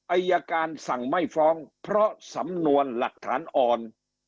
อายการสั่งไม่ฟ้องเพราะสำนวนหลักฐานอ่อน